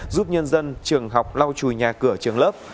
giúp nhân dân trường học lau chùi nhà cửa trường lớp